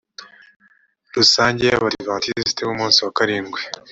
rusange y abadiventisiti b umunsi wa karindwi